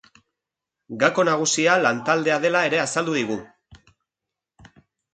Gako nagusia, lantaldea dela ere azaldu digu.